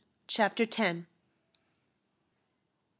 CHAPTER TENTH.